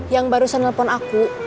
yang barusan nelfon aku